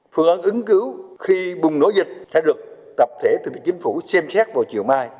phương án ứng cứu khi bùng nổ dịch sẽ được tập thể tỉnh chính phủ xem xét vào chiều mai